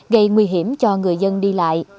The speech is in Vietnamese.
gây nguy hiểm cho người dân đi lại